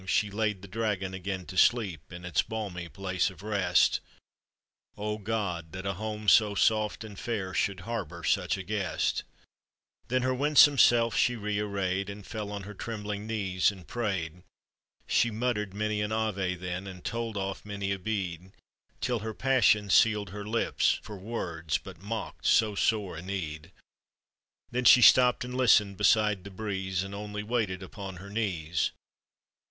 She laid the dragon again to sleep In its balmy place of rest: O God, that a home so soft and fair Should harbor such a guest! 442 APPENDIX. Then her winsome self she re arrayed, And fell on her trembling knees and prayed. She muttered many an Ave then, And told off many a bead, Till her passion sealed her lips, for words But mocked so sore a need; Then she stopped and listened ^beside the breeze, And only waited upon her knees.